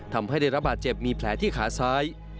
ทำให้ได้รับบาดเจ็บมีแผลที่ขาซ้าย